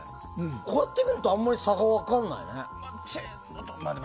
こうやって見るとあんまり差が分からないね。